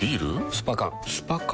スパ缶スパ缶？